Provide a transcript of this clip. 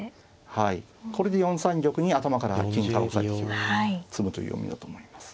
はいこれで４三玉に頭から金から押さえていけば詰むという読みだと思います。